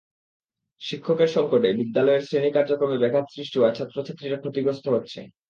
শিক্ষকের সংকটে বিদ্যালয়ের শ্রেণি কার্যক্রমে ব্যাঘাত সৃষ্টি হওয়ায় ছাত্রছাত্রীরা ক্ষতিগ্রস্ত হচ্ছে।